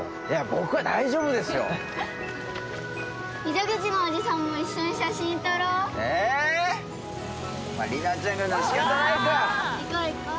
僕は大丈夫ですよ溝口のおじさんも一緒に写真撮ろうえ里奈ちゃんが言うならしかたないか行こう行こう